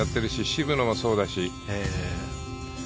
渋野もそうだし。